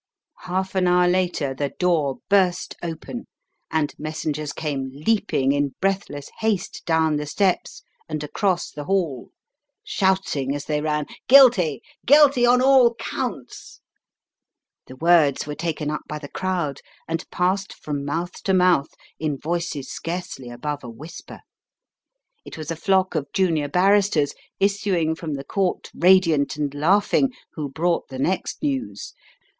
Half an hour later the door burst open, and messengers came leaping in breathless haste down the steps and across the Hall, shouting as they ran, "Guilty! Guilty on all counts!" The words were taken up by the crowd, and passed from mouth to mouth in voices scarcely above a whisper. It was a flock of junior barristers, issuing from the court, radiant and laughing, who brought the next news.